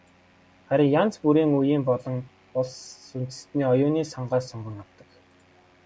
Харин янз бүрийн үеийн болон улс үндэстний оюуны сангаас сонгон авдаг.